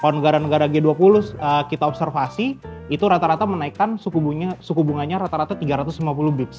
kalau negara negara g dua puluh kita observasi itu rata rata menaikkan suku bunganya rata rata tiga ratus lima puluh bips